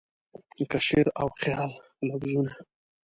لکه شعر او خیال لفظونه